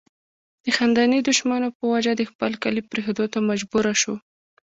د خانداني دشمنو پۀ وجه د خپل کلي پريښودو ته مجبوره شو